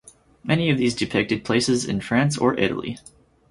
Many of these depicted places in France or Italy.